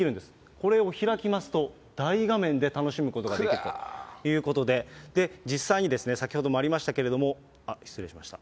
これを開きますと、大画面で楽しむことができるということで、実際に先ほどもありましたけれども、失礼しました。